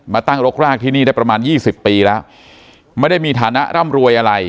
มาตั้งรกรากที่นี่ได้ประมาณยี่สิบปีแล้วไม่ได้มีฐานะร่ำรวยอะไร